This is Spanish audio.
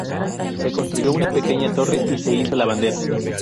Se construyó una pequeña torre y se izó la bandera.